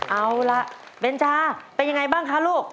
เอาล่ะเบนจาเป็นยังไงบ้างคะลูก